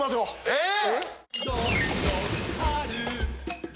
えっ！